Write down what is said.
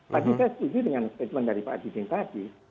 tapi saya setuju dengan statement dari pak adhiding tadi